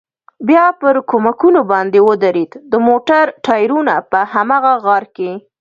بیا پر کومکونو باندې ودرېد، د موټر ټایرونه په هماغه غار کې.